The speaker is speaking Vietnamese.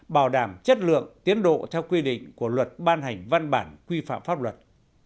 bảo đảm chất lượng tiến độ theo quy định của luật ban hành văn bản quy phạm pháp luật